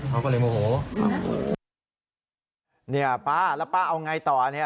เขาก็เลยโมโหครับเนี่ยป้าแล้วป้าเอาไงต่อเนี่ย